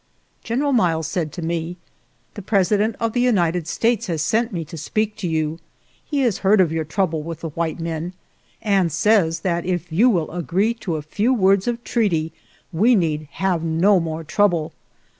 General Miles said to me :" The Presi dent of the United States has sent me to speak to you. He has heard of your trou ble with the white men, and says that if you will agree to a few words of treaty we need have no more trouble.